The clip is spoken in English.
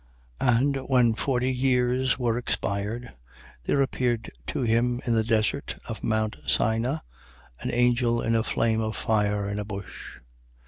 7:30. And when forty years were expired, there appeared to him, in the desert of mount Sina, an angel in a flame of fire in a bush.